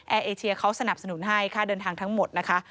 เอเชียเขาสนับสนุนให้ค่าเดินทางทั้งหมดนะคะ